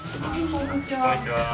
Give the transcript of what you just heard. こんにちは。